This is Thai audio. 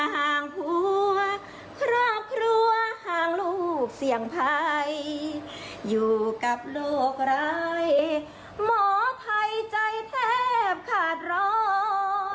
ห่างผัวครอบครัวห่างลูกเสี่ยงภัยอยู่กับโรคไรหมอภัยใจแทบขาดร้อย